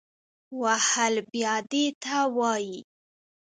وهل بیا دې ته وایي